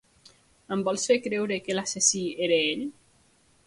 Em vols fer creure que l'assassí era ell?